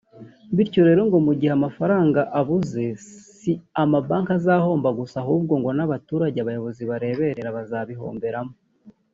bityo rero ngo mu gihe amafaranga abuze si amabanki azahomba gusa ahubwo ngo n’abaturage abayobozi bareberera bazabihomberamo